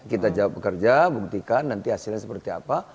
kita jawab bekerja buktikan nanti hasilnya seperti apa